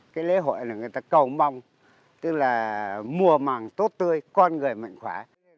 cái lễ hội là người ta cầu mong tức là mùa màng tốt tươi con người mạnh khỏe